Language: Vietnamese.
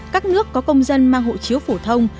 các nước có công dân mang hộ chiếu phổ thông